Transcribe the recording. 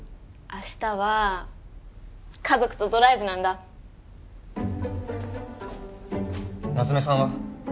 明日はー家族とドライブなんだ夏目さんは？